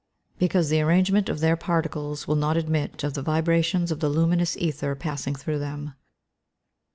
_ Because the arrangement of their particles will not admit of the vibrations of the luminous ether passing through them.